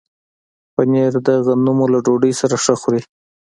پنېر د غنمو له ډوډۍ سره ښه خوري.